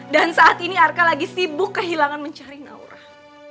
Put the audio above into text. dan saat ini arka lagi sibuk kehilangan mencari naurah